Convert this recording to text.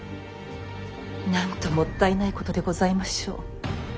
なんともったいないことでございましょう。